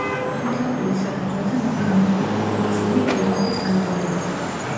ამ თეორიის საფუძველზე მან გამოსცა პირველი წიგნი „პიროვნების განზომილება“.